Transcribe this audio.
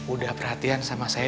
udah perhatian sama saya